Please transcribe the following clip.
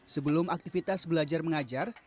sebelum aktivitas belajar mengajar